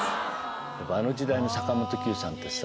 あの時代の坂本九さんってさ